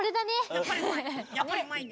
やっぱりうまいね。